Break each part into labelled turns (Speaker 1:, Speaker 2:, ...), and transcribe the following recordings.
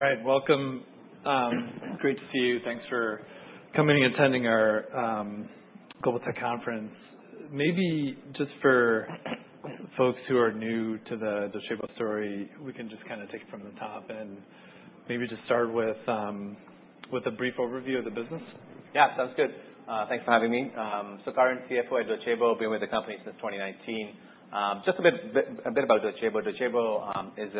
Speaker 1: All right. Welcome. Great to see you. Thanks for coming and attending our Global Tech Conference. Maybe just for folks who are new to the Docebo story, we can just kinda take it from the top and maybe just start with a brief overview of the business.
Speaker 2: Yeah. Sounds good. Thanks for having me. Sukaran, CFO at Docebo, been with the company since 2019. Just a bit about Docebo. Docebo is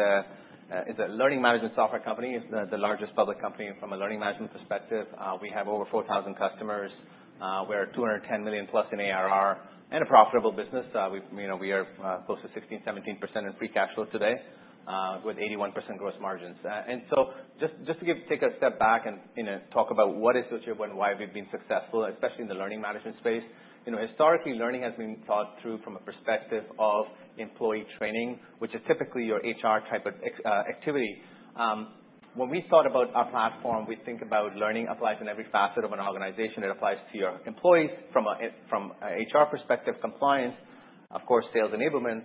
Speaker 2: a learning management software company. It's the largest public company from a learning management perspective. We have over 4,000 customers. We're $210 million plus in ARR and a profitable business. We, you know, we are close to 16%-17% in free cash flow today, with 81% gross margins. So just to take a step back and, you know, talk about what is Docebo and why we've been successful, especially in the learning management space. You know, historically, learning has been thought through from a perspective of employee training, which is typically your HR type of activity. When we thought about our platform, we think about learning applies in every facet of an organization. It applies to your employees from an HR perspective, compliance, of course, sales enablement.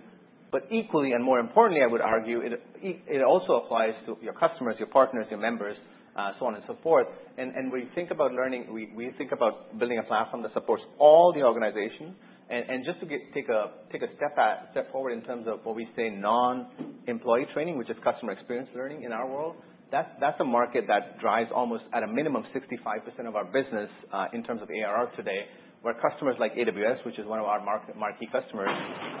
Speaker 2: But equally, and more importantly, I would argue, it also applies to your customers, your partners, your members, so on and so forth. When you think about learning, we think about building a platform that supports all the organization. Just to take a step forward in terms of what we say non-employee training, which is Customer Experience Learning in our world, that's a market that drives almost, at a minimum, 65% of our business, in terms of ARR today, where customers like AWS, which is one of our marquee customers,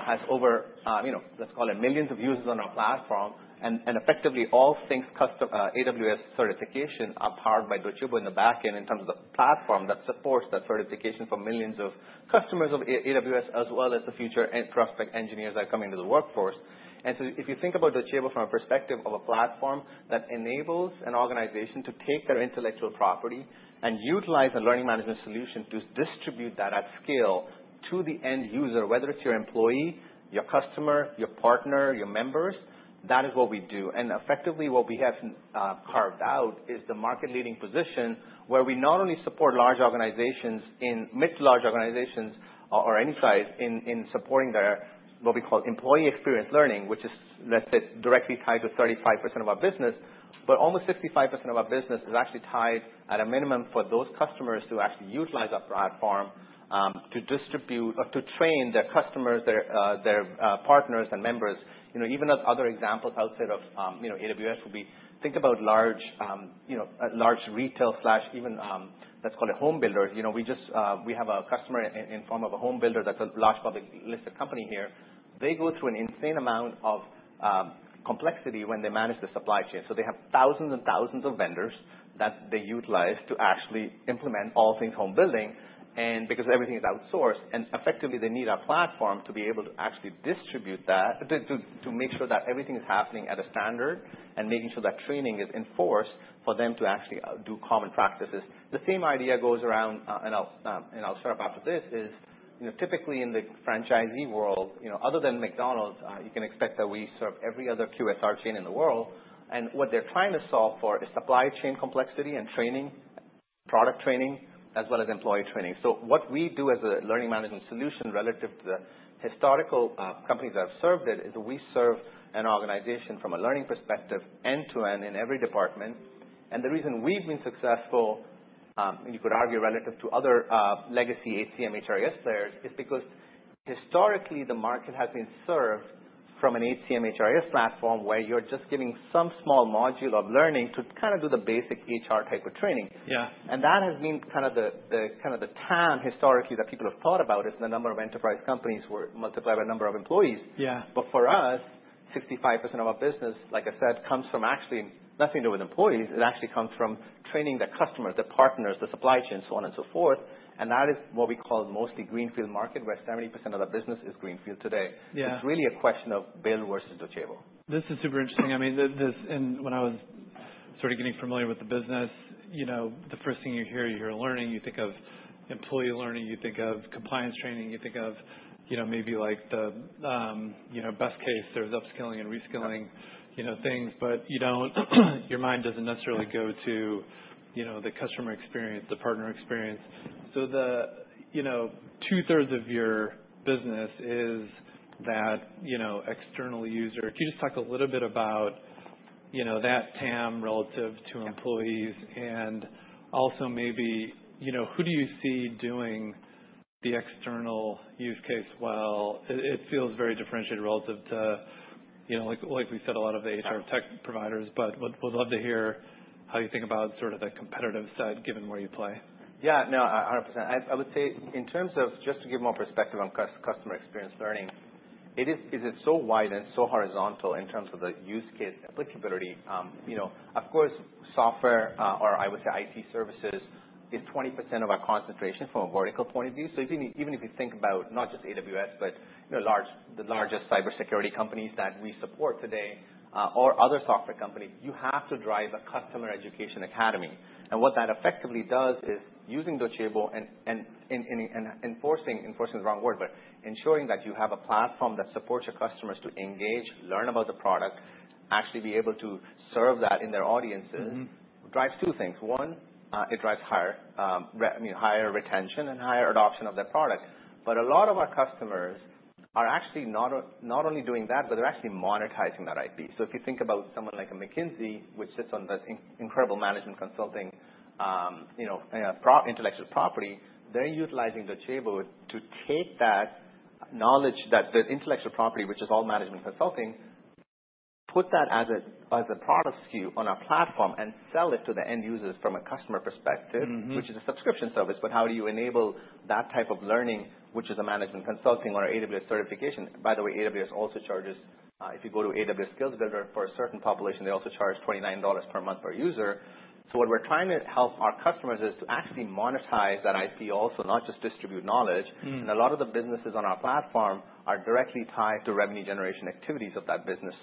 Speaker 2: has over, you know, let's call it millions of users on our platform. Effectively, all things custom AWS certification are powered by Docebo in the back end in terms of the platform that supports that certification for millions of customers of AWS, as well as the future and prospective engineers that are coming into the workforce. So if you think about Docebo from a perspective of a platform that enables an organization to take their intellectual property and utilize a learning management solution to distribute that at scale to the end user, whether it's your employee, your customer, your partner, your members, that is what we do. And effectively, what we have carved out is the market-leading position where we not only support large organizations in mid-to-large organizations, or any size, in supporting their what we call Employee Experience Learning, which is, let's say, directly tied to 35% of our business, but almost 65% of our business is actually tied, at a minimum, for those customers to actually utilize our platform, to distribute or to train their customers, their partners and members. You know, even as other examples outside of, you know, AWS would be think about large, you know, large retail, even, let's call it home builders. You know, we just, we have a customer in form of a home builder that's a large public listed company here. They go through an insane amount of complexity when they manage the supply chain. They have thousands and thousands of vendors that they utilize to actually implement all things home building. Because everything is outsourced, and effectively, they need our platform to be able to actually distribute that, to make sure that everything is happening at a standard and making sure that training is enforced for them to actually do common practices. The same idea goes around, and I'll shut up after this is, you know, typically in the franchisee world, you know, other than McDonald's, you can expect that we serve every other QSR chain in the world. What they're trying to solve for is supply chain complexity and training, product training, as well as employee training. So what we do as a learning management solution relative to the historical companies that have served it is we serve an organization from a learning perspective, end-to-end, in every department. And the reason we've been successful, you could argue relative to other legacy HCM, HRIS players is because historically, the market has been served from an HCM, HRIS platform where you're just giving some small module of learning to kinda do the basic HR type of training. And that has been kinda the time historically that people have thought about is the number of enterprise companies were multiplied by number of employees. But for us, 65% of our business, like I said, comes from actually nothing to do with employees. It actually comes from training the customers, the partners, the supply chain, so on and so forth. And that is what we call mostly greenfield market, where 70% of the business is greenfield today. It's really a question of build versus Docebo. This is super interesting. I mean, this and when I was sort of getting familiar with the business, you know, the first thing you hear, you hear learning. You think of Employee Learning. You think of Compliance Training. You think of, you know, maybe like the, you know, best case, there's upskilling and reskilling, you know, things. But you don't, your mind doesn't necessarily go to, you know, the customer experience, the partner experience. So the, you know, two-thirds of your business is that, you know, external user. Can you just talk a little bit about, you know, that TAM relative to employees and also maybe, you know, who do you see doing the external use case well? It feels very differentiated relative to, you know, like we said, a lot of the HR tech providers. But we'd love to hear how you think about sort of the competitive side given where you play. Yeah. No, 100%. I would say in terms of just to give more perspective on Customer Experience Learning, it is so wide and so horizontal in terms of the use case applicability. You know, of course, software, or I would say IT services is 20% of our concentration from a vertical point of view. So even if you think about not just AWS, but, you know, the largest cybersecurity companies that we support today, or other software companies, you have to drive a customer education academy. And what that effectively does is using Docebo and enforcing is the wrong word, but ensuring that you have a platform that supports your customers to engage, learn about the product, actually be able to serve that in their audiences. Drives two things. One, it drives higher, I mean, higher retention and higher adoption of that product. But a lot of our customers are actually not only doing that, but they're actually monetizing that IP. So if you think about someone like a McKinsey, which sits on this incredible management consulting, you know, proprietary intellectual property, they're utilizing Docebo to take that knowledge that the intellectual property, which is all management consulting, put that as a product SKU on our platform and sell it to the end users from a customer perspective. Which is a subscription service. But how do you enable that type of learning, which is a management consulting or AWS certification? By the way, AWS also charges, if you go to AWS Skill Builder for a certain population, they also charge $29 per month per user. So what we're trying to help our customers is to actually monetize that IP also, not just distribute knowledge. A lot of the businesses on our platform are directly tied to revenue generation activities of that business.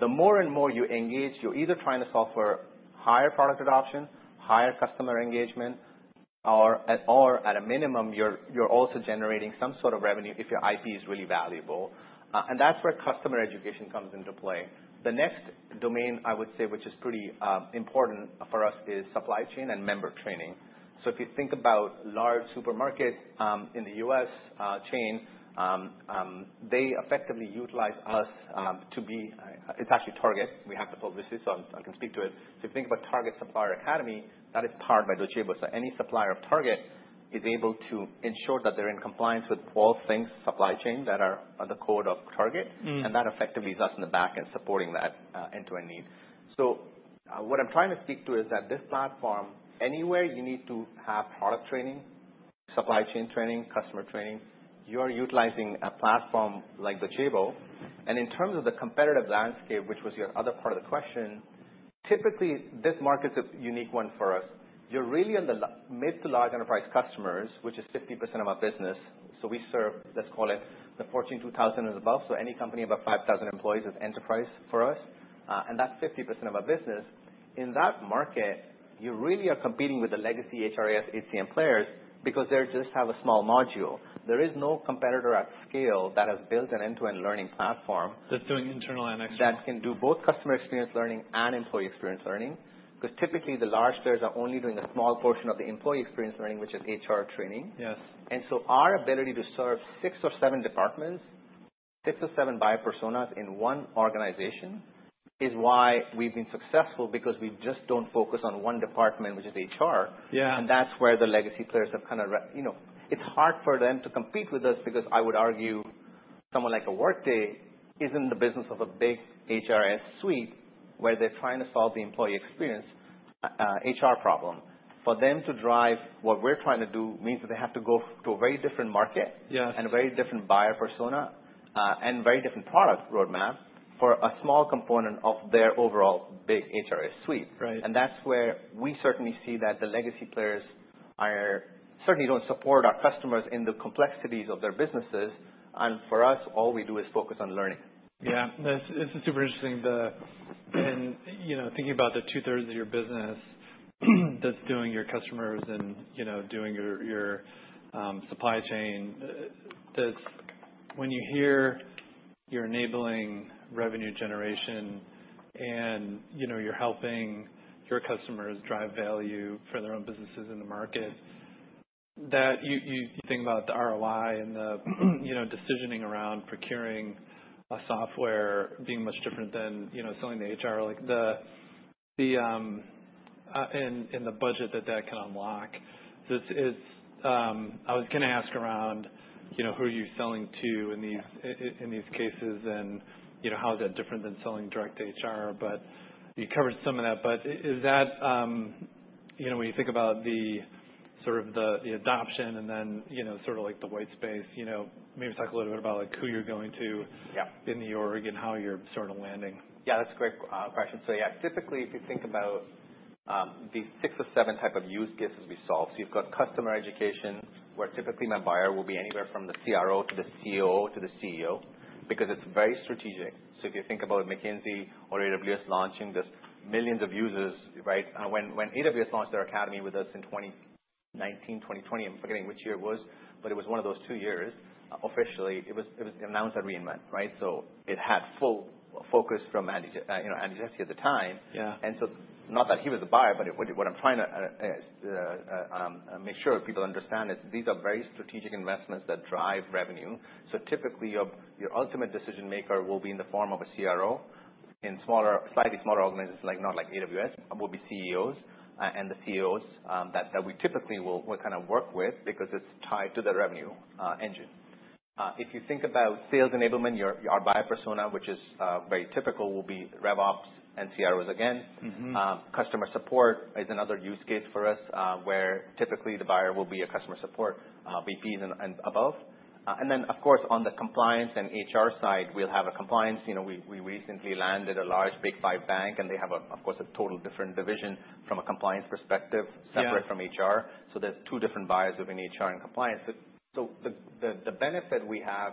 Speaker 2: The more and more you engage, you're either trying to solve for higher product adoption, higher customer engagement, or at a minimum, you're also generating some sort of revenue if your IP is really valuable. And that's where customer education comes into play. The next domain, I would say, which is pretty important for us is supply chain and member training. So if you think about large supermarket in the U.S. chain, they effectively utilize us. It's actually Target. We have to publish this, so I can speak to it. So if you think about Target Supplier Academy, that is powered by Docebo. Any supplier of Target is able to ensure that they're in compliance with all things supply chain that are at the core of Target. And that effectively is us in the back end supporting that, end-to-end need. So, what I'm trying to speak to is that this platform, anywhere you need to have product training, supply chain training, customer training, you're utilizing a platform like Docebo. And in terms of the competitive landscape, which was your other part of the question, typically, this market's a unique one for us. You're really on the mid to large enterprise customers, which is 50% of our business. So we serve, let's call it the Fortune 2000 and above. So any company about 5,000 employees is enterprise for us, and that's 50% of our business. In that market, you really are competing with the legacy HRIS, HCM players because they just have a small module. There is no competitor at scale that has built an end-to-end learning platform. That's doing internal and external. That can do both Customer Experience Learning and Employee Experience Learning. Because typically, the large players are only doing a small portion of the Employee Experience Learning, which is HR training. And so our ability to serve six or seven departments, six or seven buyer personas in one organization is why we've been successful, because we just don't focus on one department, which is HR. That's where the legacy players have kinda, you know, it's hard for them to compete with us because I would argue someone like a Workday is in the business of a big HRIS suite where they're trying to solve the employee experience, HR problem. For them to drive what we're trying to do means that they have to go to a very different market. A very different buyer persona, and very different product roadmap for a small component of their overall big HRIS suite. And that's where we certainly see that the legacy players certainly don't support our customers in the complexities of their businesses. And for us, all we do is focus on learning. Yeah. That's super interesting. You know, thinking about the two-thirds of your business that's doing your customers and, you know, doing your supply chain, that's when you hear you're enabling revenue generation and, you know, you're helping your customers drive value for their own businesses in the market, that you think about the ROI and the, you know, decisioning around procuring a software being much different than, you know, selling to HR, like the budget that that can unlock. So it's, I was gonna ask around, you know, who are you selling to in these cases and, you know, how is that different than selling direct to HR? But you covered some of that. But is that, you know, when you think about the sort of adoption and then, you know, sort of like the white space, you know, maybe talk a little bit about, like, who you're going to? In New York and how you're sort of landing. Yeah. That's a great question. So yeah, typically, if you think about the six or seven type of use cases we solve, so you've got customer education, where typically my buyer will be anywhere from the CRO to the COO to the CEO, because it's very strategic. So if you think about McKinsey or AWS launching this millions of users, right, when AWS launched their academy with us in 2019, 2020, I'm forgetting which year it was, but it was one of those two years, officially, it was announced at re:Invent, right? So it had full focus from Andy J you know, Andy Jassy at the time. And so not that he was the buyer, but what I'm trying to make sure people understand is these are very strategic investments that drive revenue. So typically, your ultimate decision maker will be in the form of a CRO in smaller, slightly smaller organizations, like not like AWS, will be CEOs. And the CEOs that we typically will kinda work with because it's tied to the revenue engine. If you think about sales enablement, your buyer persona, which is very typical, will be RevOps and CROs again. Customer support is another use case for us, where typically the buyer will be a customer support VPs and above. And then, of course, on the compliance and HR side, we'll have a compliance. You know, we recently landed a large Big Five bank, and they have, of course, a total different division from a compliance perspective, separate from HR, so there's two different buyers within HR and compliance. The benefit we have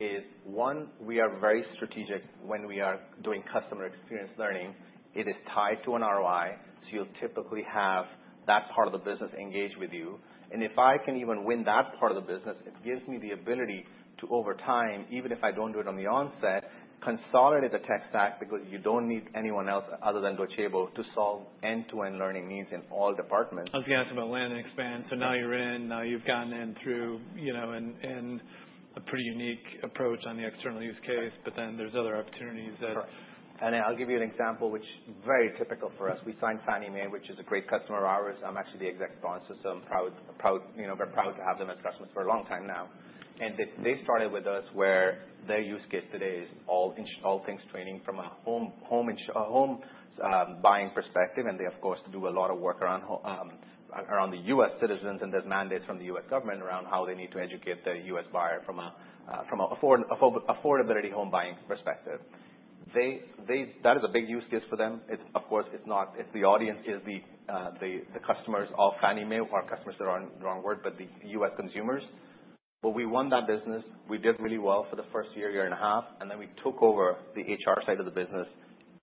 Speaker 2: is one, we are very strategic when we are doing Customer Experience Learning. It is tied to an ROI, so you'll typically have that part of the business engage with you. And if I can even win that part of the business, it gives me the ability to, over time, even if I don't do it on the onset, consolidate the tech stack because you don't need anyone else other than Docebo to solve end-to-end learning needs in all departments. I was gonna ask about Land & Expand. So now you're in. Now you've gotten in through, you know, a pretty unique approach on the external use case, but then there's other opportunities that. Sure. And I'll give you an example, which is very typical for us. We signed Fannie Mae, which is a great customer of ours. I'm actually the exec sponsor, so I'm proud, proud, you know, very proud to have them as customers for a long time now. And they started with us where their use case today is all in all things training from a home insurance, a home buying perspective. And they, of course, do a lot of work around the U.S. citizens, and there's mandates from the U.S. government around how they need to educate the U.S. buyer from a affordability home buying perspective. That is a big use case for them. It's, of course, not. It's the audience is the customers of Fannie Mae, or customers, that are the wrong word, but the U.S. consumers. But we won that business. We did really well for the first year, year and a half, and then we took over the HR side of the business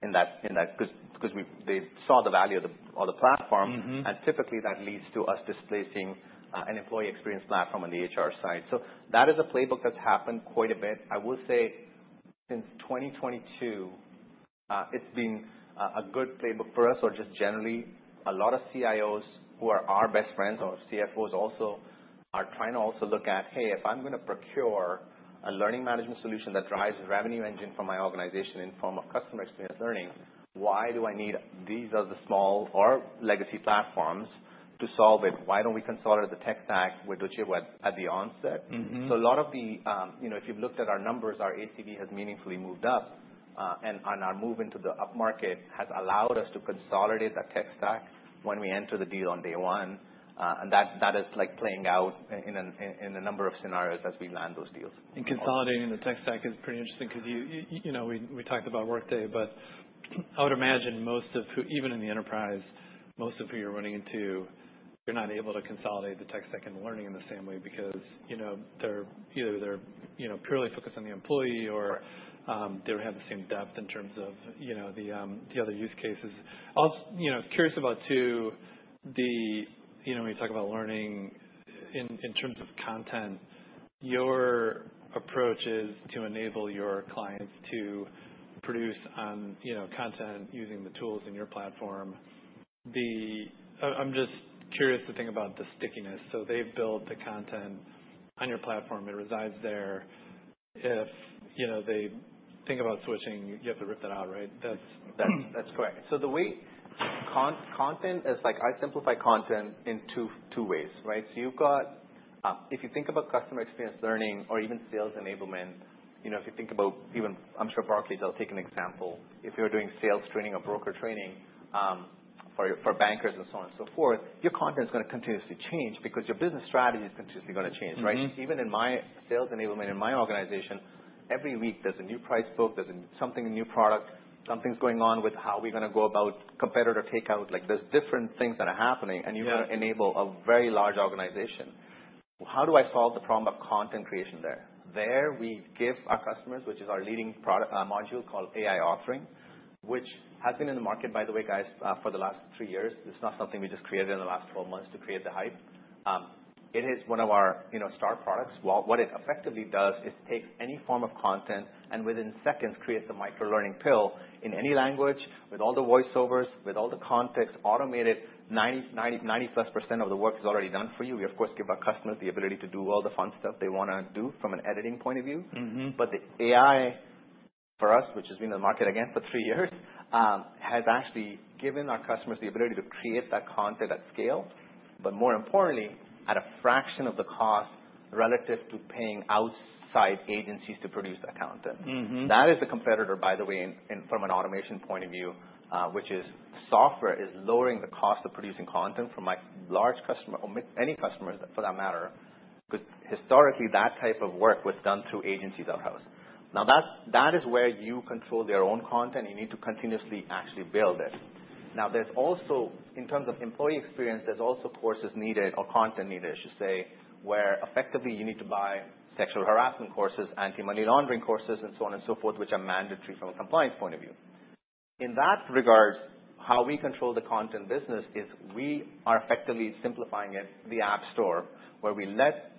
Speaker 2: in that because they saw the value of the platform. And typically, that leads to us displacing an employee experience platform on the HR side. So that is a playbook that's happened quite a bit. I will say since 2022, it's been a good playbook for us, or just generally, a lot of CIOs who are our best friends, or CFOs also, are trying to also look at, "Hey, if I'm gonna procure a learning management solution that drives revenue engine for my organization in form of Customer Experience Learning, why do I need these other small or legacy platforms to solve it? Why don't we consolidate the tech stack with Docebo at the onset? A lot of the, you know, if you've looked at our numbers, our ACV has meaningfully moved up, and our move into the up market has allowed us to consolidate that tech stack when we enter the deal on day one. And that is like playing out in a number of scenarios as we land those deals. Consolidating the tech stack is pretty interesting 'cause you know we talked about Workday, but I would imagine most of who even in the enterprise, most of who you're running into, you're not able to consolidate the tech stack and the learning in the same way because, you know, they're either, you know, purely focused on the employee or they don't have the same depth in terms of, you know, the other use cases. I'm, you know, curious about too, you know, when you talk about learning in terms of content, your approach is to enable your clients to produce, you know, content using the tools in your platform. I'm just curious to think about the stickiness. So they build the content on your platform. It resides there. If, you know, they think about switching, you have to rip that out, right? That's correct. So the way content is like I simplify content in two ways, right? So you've got, if you think about Customer Experience Learning or even sales enablement, you know, if you think about even I'm sure Barclays, I'll take an example. If you're doing sales training or broker training, for bankers and so on and so forth, your content's gonna continuously change because your business strategy is continuously gonna change, right? Even in my sales enablement in my organization, every week there's a new price book, there's a new something, a new product, something's going on with how we're gonna go about competitor takeout. Like, there's different things that are happening, and you've gotta enable a very large organization. How do I solve the problem of content creation there? There we give our customers, which is our leading product, module called AI offering, which has been in the market, by the way, guys, for the last three years. It's not something we just created in the last 12 months to create the hype. It is one of our, you know, star products. What it effectively does is takes any form of content and within seconds creates a Microlearning pill in any language with all the voiceovers, with all the context, automated. 90-plus% of the work is already done for you. We, of course, give our customers the ability to do all the fun stuff they wanna do from an editing point of view. But the AI for us, which has been in the market again for three years, has actually given our customers the ability to create that content at scale, but more importantly, at a fraction of the cost relative to paying outside agencies to produce that content. That is the competitor, by the way, in from an automation point of view, which is software is lowering the cost of producing content for my large customer or many customers for that matter, because historically, that type of work was done through agencies or in-house. Now, that is where you create their own content. You need to continuously actually build it. Now, in terms of employee experience, there's also courses needed or content needed, I should say, where effectively you need to buy sexual harassment courses, anti-money laundering courses, and so on and so forth, which are mandatory from a compliance point of view. In that regard, how we control the content business is we are effectively simplifying it, the app store, where we let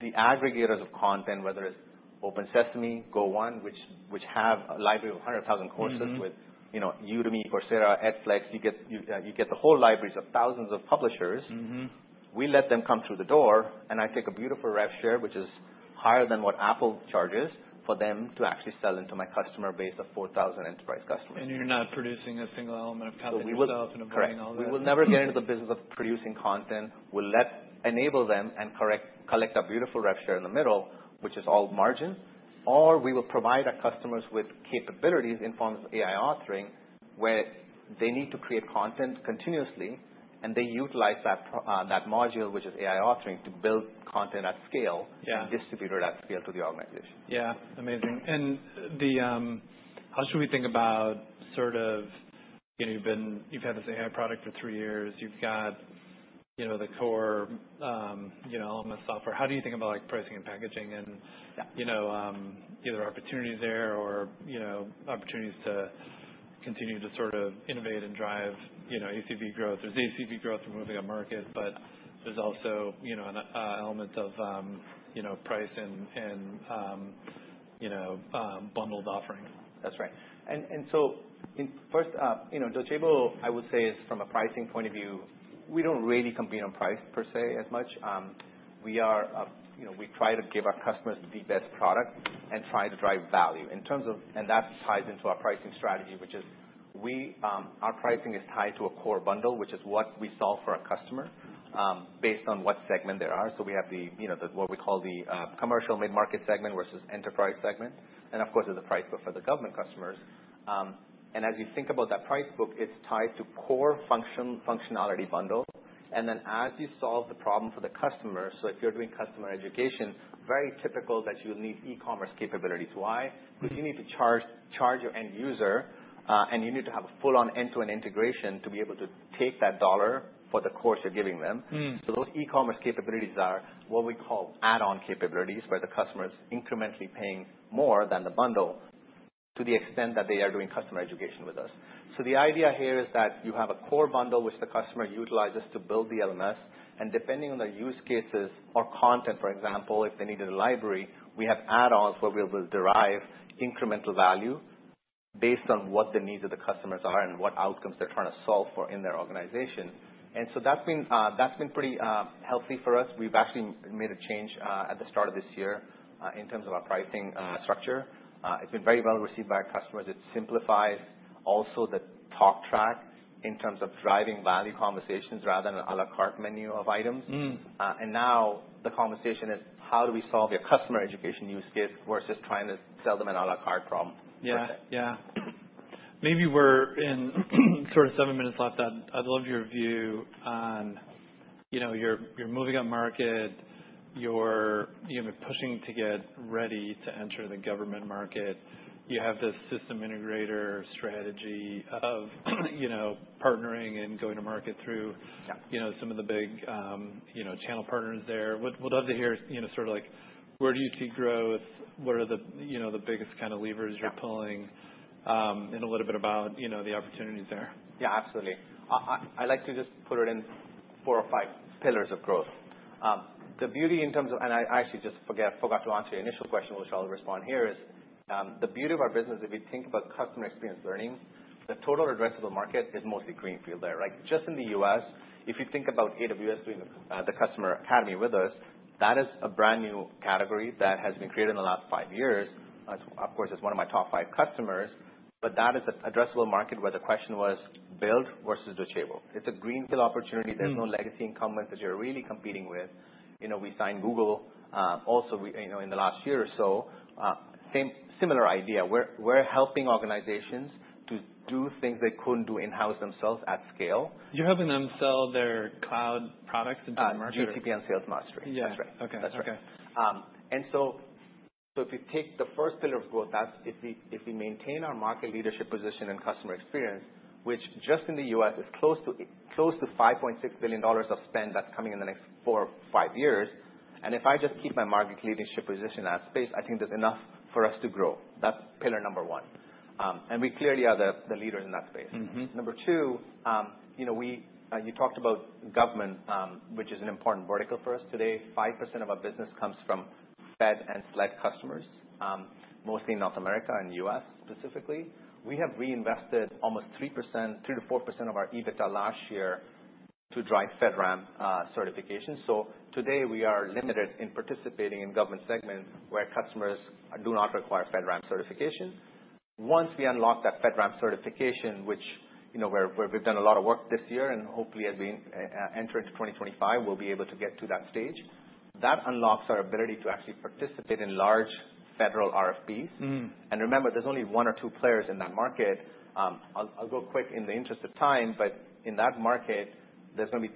Speaker 2: the aggregators of content, whether it's OpenSesame, Go1, which have a library of 100,000 courses with, you know, Udemy, Coursera, Edflex, you get the whole libraries of thousands of publishers. We let them come through the door, and I take a beautiful rev share, which is higher than what Apple charges, for them to actually sell into my customer base of 4,000 enterprise customers. You're not producing a single element of content yourself in avoiding all that. We will never get into the business of producing content. We'll let them enable and create, collect a beautiful rev share in the middle, which is all margin, or we will provide our customers with capabilities in the form of AI offering where they need to create content continuously, and they utilize that module, which is AI offering, to build content at scale and distribute it at scale to the organization. Yeah. Amazing. And how should we think about sort of, you know, you've had this AI product for three years. You've got, you know, the core, you know, elements software. How do you think about, like, pricing and packaging and you know, either opportunity there or, you know, opportunities to continue to sort of innovate and drive, you know, ACV growth? There's ACV growth removing a market, but there's also, you know, an element of, you know, price and, you know, bundled offering. That's right. And so in first, you know, Docebo, I would say, is from a pricing point of view, we don't really compete on price per se as much. We are, you know, we try to give our customers the best product and try to drive value. In terms of and that ties into our pricing strategy, which is we, our pricing is tied to a core bundle, which is what we solve for our customer, based on what segment they are. So we have the, you know, the what we call the, commercial mid-market segment versus enterprise segment. And of course, there's a price book for the government customers. And as you think about that price book, it's tied to core functionality bundle. And then as you solve the problem for the customer, so if you're doing customer education, very typical that you'll need e-commerce capabilities. Why? Because you need to charge, charge your end user, and you need to have a full-on end-to-end integration to be able to take that dollar for the course you're giving them. So those e-commerce capabilities are what we call add-on capabilities, where the customer is incrementally paying more than the bundle to the extent that they are doing customer education with us. So the idea here is that you have a core bundle, which the customer utilizes to build the LMS, and depending on their use cases or content, for example, if they needed a library, we have add-ons where we will derive incremental value based on what the needs of the customers are and what outcomes they're trying to solve for in their organization. And so that's been pretty healthy for us. We've actually made a change, at the start of this year, in terms of our pricing structure. It's been very well received by our customers. It simplifies also the talk track in terms of driving value conversations rather than an à la carte menu of items and now the conversation is, how do we solve your customer education use case versus trying to sell them an à la carte problem per se? Yeah. Maybe we're in sort of seven minutes left. I'd love your view on, you know, you're moving up market. You're, you know, pushing to get ready to enter the government market. You have this system integrator strategy of, you know, partnering and going to market through. You know, some of the big, you know, channel partners there. We'd love to hear, you know, sort of like, where do you see growth? What are the, you know, the biggest kinda levers you're pulling, and a little bit about, you know, the opportunities there. Yeah. Absolutely. I like to just put it in four or five pillars of growth. The beauty in terms of and I actually just forgot to answer your initial question, which I'll respond here is, the beauty of our business, if you think about Customer Experience Learning, the total addressable market is mostly Greenfield there, right? Just in the U.S., if you think about AWS doing the customer academy with us, that is a brand new category that has been created in the last five years. It's, of course, one of my top five customers, but that is the addressable market where the question was build versus Docebo. It's a Greenfield opportunity. There's no legacy incumbents that you're really competing with. You know, we signed Google. Also, we, you know, in the last year or so, same similar idea. We're helping organizations to do things they couldn't do in-house themselves at scale. You're helping them sell their cloud products into the market? GCP and Sales Mastery. Yeah. That's right. Okay. That's right. Okay. And so if you take the first pillar of growth, that's if we maintain our market leadership position and customer experience, which just in the U.S. is close to $5.6 billion of spend that's coming in the next four or five years. And if I just keep my market leadership position in that space, I think there's enough for us to grow. That's pillar number one. And we clearly are the leaders in that space. Number two, you know, we, you talked about government, which is an important vertical for us today. 5% of our business comes from Fed and SLED customers, mostly in North America and U.S. specifically. We have reinvested almost 3%-4% of our EBITDA last year to drive FedRAMP certification. So today, we are limited in participating in government segments where customers do not require FedRAMP certification. Once we unlock that FedRAMP certification, which, you know, we've done a lot of work this year, and hopefully, as we enter into 2025, we'll be able to get to that stage. That unlocks our ability to actually participate in large federal RFPs. Remember, there's only one or two players in that market. I'll go quick in the interest of time, but in that market, there's gonna be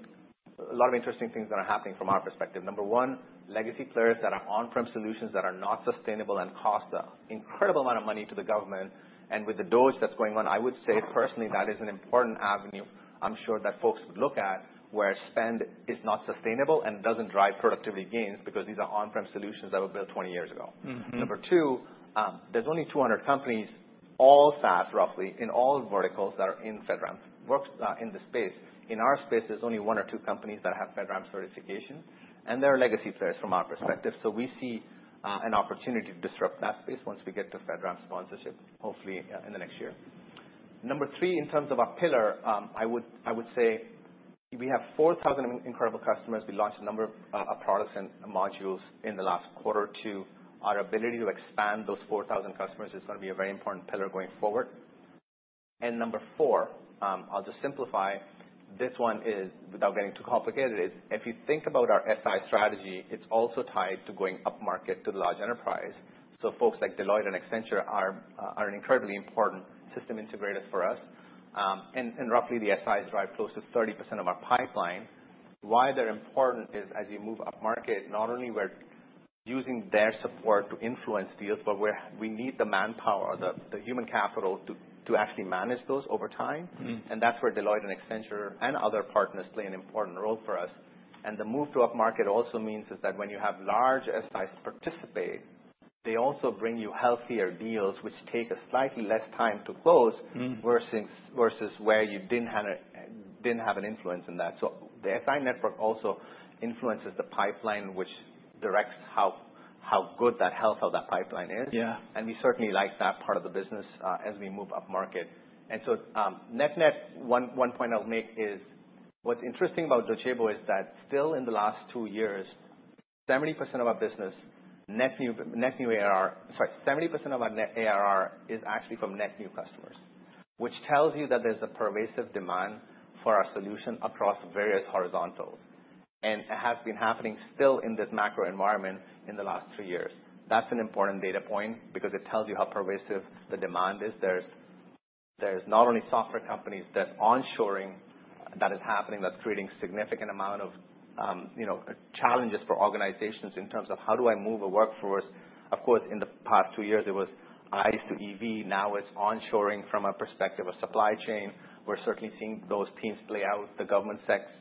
Speaker 2: a lot of interesting things that are happening from our perspective. Number one, legacy players that are on-prem solutions that are not sustainable and cost an incredible amount of money to the government. With the DOGE that's going on, I would say personally that is an important avenue, I'm sure, that folks would look at where spend is not sustainable and doesn't drive productivity gains because these are on-prem solutions that were built 20 years ago. Number two, there's only 200 companies, all SaaS roughly, in all verticals that are in FedRAMP works, in the space. In our space, there's only one or two companies that have FedRAMP certification, and they're legacy players from our perspective. So we see an opportunity to disrupt that space once we get to FedRAMP sponsorship, hopefully, in the next year. Number three, in terms of our pillar, I would say we have 4,000 incredible customers. We launched a number of products and modules in the last quarter or two. Our ability to expand those 4,000 customers is gonna be a very important pillar going forward. Number four, I'll just simplify. This one is, without getting too complicated, if you think about our SI strategy, it's also tied to going up market to the large enterprise. So folks like Deloitte and Accenture are incredibly important system integrators for us. And roughly, the SIs drive close to 30% of our pipeline. Why they're important is, as you move up market, not only we're using their support to influence deals, but we need the manpower or the human capital to actually manage those over time. That's where Deloitte and Accenture and other partners play an important role for us. The move to up market also means is that when you have large SIs participate, they also bring you healthier deals, which take a slightly less time to close. Versus where you didn't have an influence in that. So the SI network also influences the pipeline, which directs how good that health of that pipeline is. And we certainly like that part of the business, as we move up market. And so, net-net one, one point I'll make is what's interesting about Docebo is that still in the last two years, 70% of our business, net new, net new ARR, sorry, 70% of our net ARR is actually from net new customers, which tells you that there's a pervasive demand for our solution across various horizontals. And it has been happening still in this macro environment in the last three years. That's an important data point because it tells you how pervasive the demand is. There's not only software companies; there's onshoring that is happening that's creating significant amount of, you know, challenges for organizations in terms of how do I move a workforce. Of course, in the past two years, it was ICE to EV. Now it's onshoring from a perspective of supply chain. We're certainly seeing those trends play out. The government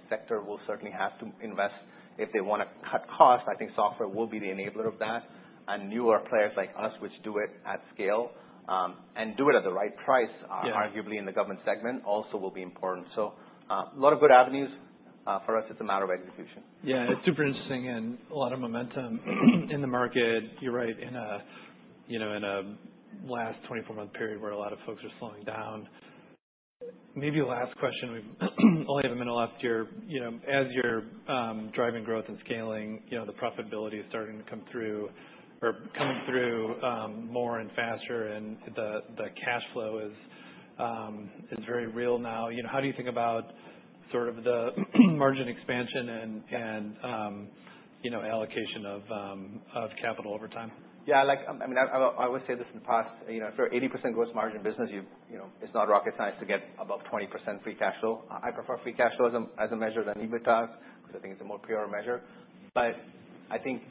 Speaker 2: sector will certainly have to invest if they wanna cut costs. I think software will be the enabler of that, and newer players like us, which do it at scale, and do it at the right price. Arguably in the government segment also will be important. So, a lot of good avenues for us. It's a matter of execution. Yeah. It's super interesting and a lot of momentum in the market. You're right. In a, you know, in a last 24-month period where a lot of folks are slowing down. Maybe last question. We've only have a minute left here. You know, as you're driving growth and scaling, you know, the profitability is starting to come through or coming through, more and faster, and the cash flow is very real now. You know, how do you think about sort of the margin expansion and you know allocation of capital over time? Yeah. Like, I mean, I will say this in the past. You know, if you're 80% gross margin business, you know, it's not rocket science to get above 20% Free Cash Flow. I prefer Free Cash Flow as a measure than EBITDA because I think it's a more pure measure. But I think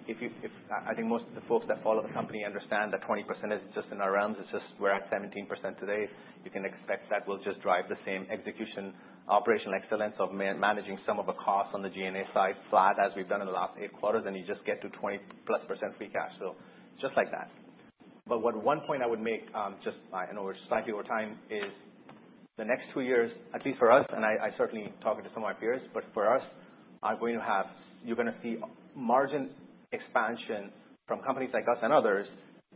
Speaker 2: most of the folks that follow the company understand that 20% is just in our realms. It's just we're at 17% today. You can expect that will just drive the same execution operational excellence of managing some of the costs on the G&A side flat as we've done in the last eight quarters, and you just get to 20%+ Free Cash Flow. Just like that. But what one point I would make, just, I know we're slightly over time, is the next two years, at least for us, and I certainly talking to some of my peers, but for us, are going to have you're gonna see margin expansion from companies like us and others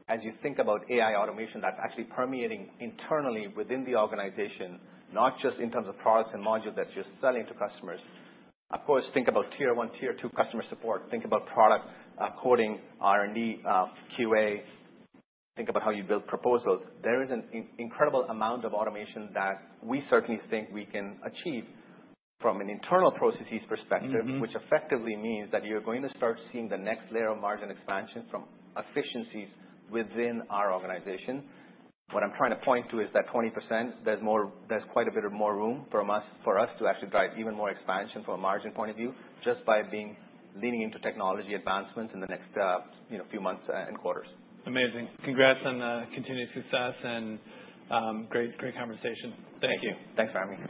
Speaker 2: as you think about AI automation that's actually permeating internally within the organization, not just in terms of products and modules that you're selling to customers. Of course, think about tier one, tier two customer support. Think about product, coding, R&D, QA. Think about how you build proposals. There is an incredible amount of automation that we certainly think we can achieve from an internal processes perspective. Which effectively means that you're going to start seeing the next layer of margin expansion from efficiencies within our organization. What I'm trying to point to is that 20%, there's more, there's quite a bit of more room for us, for us to actually drive even more expansion from a margin point of view just by being leaning into technology advancements in the next, you know, few months, and quarters. Amazing. Congrats on continued success and great, great conversation. Thank you. Thank you. Thanks for having me.